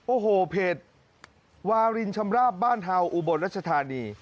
โอ้โหเพจวารินชำราบบ้านเห่าอุบลรัชธานี